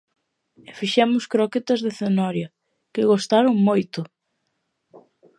E fixemos croquetas de cenoria, que gostaron moito!